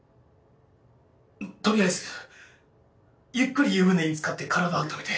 取りあえずゆっくり湯船に漬かって体をあっためて。